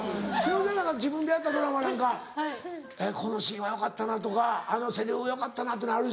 忍ちゃんなんか自分でやったドラマなんかこのシーンはよかったなとかあのセリフよかったなっていうのあるでしょ？